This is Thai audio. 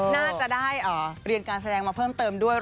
น่าจะได้เรียนการแสดงมาเพิ่มเติมด้วย